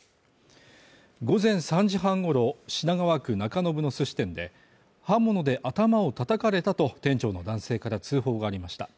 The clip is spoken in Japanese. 午前３時半ごろ、品川区中延のすし店で刃物で頭を叩かれたと店長の男性から通報がありました。